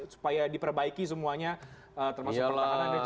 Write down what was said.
supaya diperbaiki semuanya termasuk pertahanannya juga